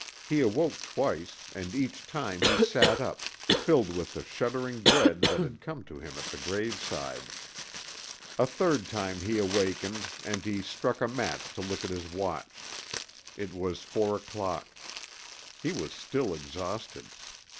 He awoke twice, and each time he sat up, filled with the shuddering dread that had come to him at the graveside. A third time he awakened, and he struck a match to look at his watch. It was four o'clock. He was still exhausted.